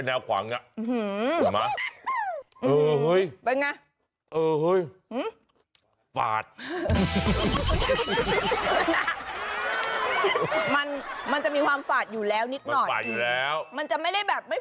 นิ้วคุณยังอยู่ปะอยู่